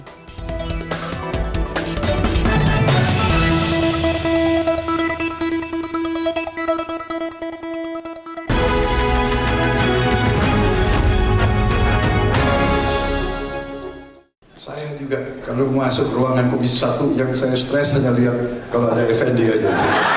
saya juga kalau masuk ruangan komisi satu yang saya stres hanya lihat kalau ada fnd aja